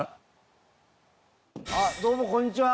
あっどうもこんにちは。